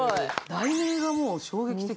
題名がもう衝撃的。